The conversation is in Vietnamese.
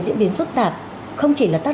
diễn biến phức tạp không chỉ là tác